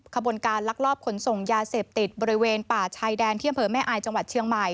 ขบวนการลักลอบขนส่งยาเสพติดบริเวณป่าชายแดนที่อำเภอแม่อายจังหวัดเชียงใหม่